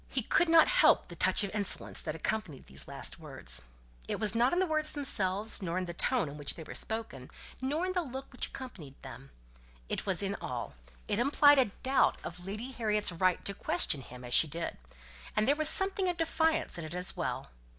He could not help the touch of insolence that accompanied these last words. It was not in the words themselves, nor in the tone in which they were spoken, nor in the look which accompanied them, it was in all; it implied a doubt of Lady Harriet's right to question him as she did; and there was something of defiance in it as well.